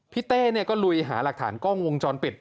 พี่เต้เนี่ยก็ลุยหาหลักฐานกล้องวงจรปิด